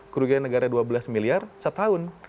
kerugian negara dua belas miliar setahun